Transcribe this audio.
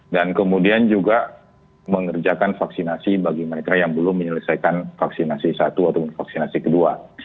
dan kemudian juga mengerjakan vaksinasi bagi mereka yang belum menyelesaikan vaksinasi satu atau vaksinasi kedua